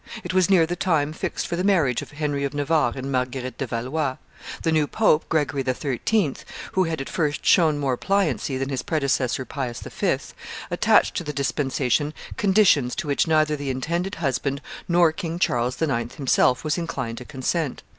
It was near the time fixed for the marriage of Henry of Navarre and Marguerite de Valois; the new pope, Gregory XIII., who had at first shown more pliancy than his predecessor Pius V., attached to the dispensation conditions to which neither the intended husband nor King Charles IX. himself was inclined to consent.